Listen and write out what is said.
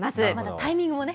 タイミングもね。